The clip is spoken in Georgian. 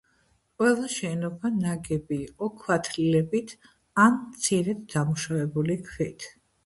ყველა შენობა ნაგები იყო ქვათლილებით ან მცირედ დამუშავებული ქვით.